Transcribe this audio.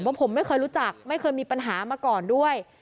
ผมไม่เคยรู้จักไม่เคยมีปัญหามาก่อนด้วย